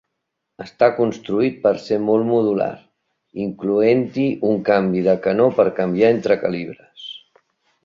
Està construït per ser molt modular, incloent-hi un canvi de canó per canviar entre calibres.